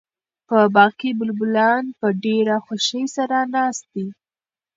په باغ کې بلبلان په ډېره خوښۍ سره ناست دي.